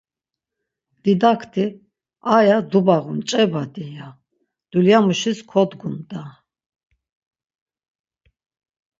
Didakti: A ya dubağun ç̌e badi! ya; Dulyamuşis kodgun da!”